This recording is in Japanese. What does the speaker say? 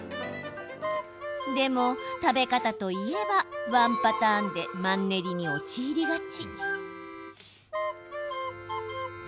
でも、食べ方といえばワンパターンでマンネリに陥りがち。